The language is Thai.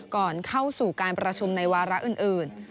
ก่อนเข้าสู่การประชุมในวาระอื่น